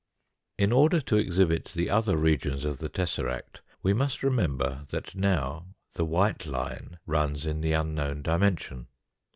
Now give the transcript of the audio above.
In order to exhibit the other regions of the tesseract we must remember that now the white line runs in the unknown dimension.